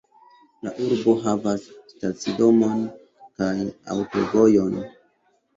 La urbo havas stacidomon kaj aŭtovojon.